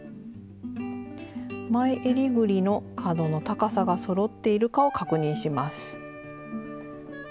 前えりぐりの角の高さがそろっているかを確認します。